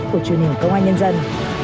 của truyền hình công an nhân dân